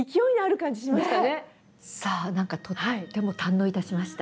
さあ何かとっても堪能いたしました。